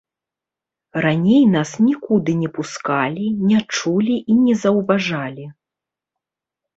Раней нас нікуды не пускалі, не чулі і не заўважалі.